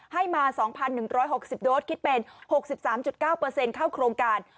ให้มา๒๑๖๐โดสคิดเป็น๖๓๙เข้าโครงการ